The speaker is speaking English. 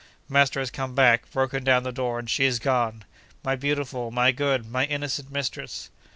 Master has come back, broken down the door, and she is gone! My beautiful, my good, my innocent mistress!